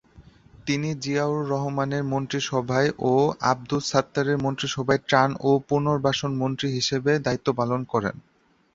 তিনি জিয়াউর রহমানের মন্ত্রিসভায় ও আবদুস সাত্তারের মন্ত্রিসভায় ত্রাণ ও পুনর্বাসন মন্ত্রী হিসেবে দায়িত্ব পালন করেন।